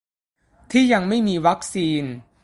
ที่ยังไม่มีวัคซีน